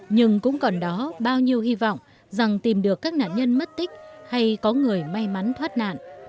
nhưng cũng còn đó bao nhiêu hy vọng rằng tìm được các nạn nhân mất tích hay có người may mắn thoát nạn